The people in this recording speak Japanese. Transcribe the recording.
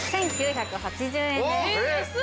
１９８０円です。